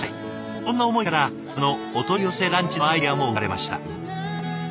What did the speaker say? そんな思いからあのお取り寄せランチのアイデアも生まれました。